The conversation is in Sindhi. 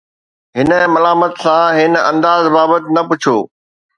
هن ملامت سان هن انداز بابت نه پڇو